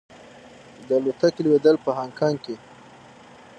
د الوتکې لوېدل په هانګ کې کې.